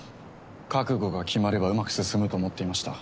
覚悟が決まればうまく進むと思っていました。